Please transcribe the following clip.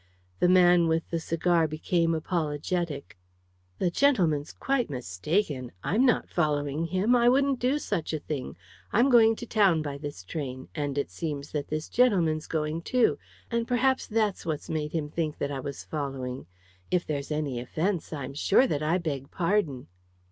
The man with the cigar became apologetic. "The gentleman's quite mistaken; I'm not following him; I wouldn't do such a thing! I'm going to town by this train, and it seems that this gentleman's going too, and perhaps that's what's made him think that I was following. If there's any offence, I'm sure that I beg pardon."